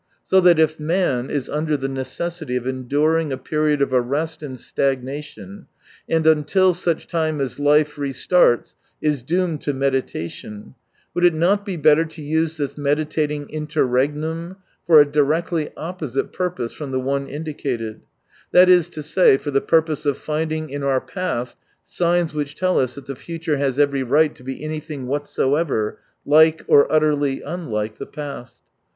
So that, if man is under the necessity of endur ing a period of arrest and stagnation, and until such time as life re starts is doomed to meditation, would it not be better to use this meditating interregnum for a directly oppo site purpose from the one indicated : that is to say, for the purpose of finding in our past signs which tell us that the future has every right to be anything whatsoever, like or utterly unlike the past.